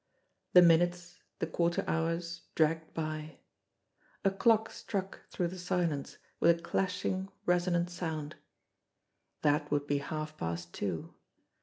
The minutes, the quarter hours dragged by. A clock struck through the silence with a clashing, resonant sound. That would be half past two.